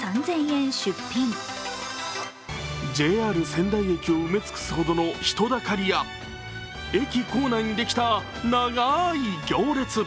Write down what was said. ＪＲ仙台駅を埋め尽くすほどの人だかりや駅構内にできた長い行列。